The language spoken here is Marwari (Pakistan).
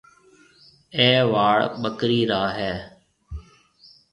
اَي واڙ ٻڪريِ را هيَ۔